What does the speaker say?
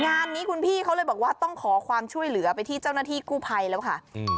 งานนี้คุณพี่เขาเลยบอกว่าต้องขอความช่วยเหลือไปที่เจ้าหน้าที่กู้ภัยแล้วค่ะอืม